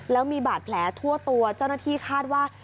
แล้วมีบาดแผลทั่วตัวเจ้าหน้าที่คาดว่า